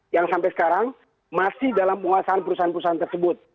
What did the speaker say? yang sampai sekarang masih dalam penguasaan perusahaan perusahaan tersebut